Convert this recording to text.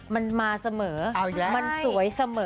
มันมาเสมอมันสวยเสมอ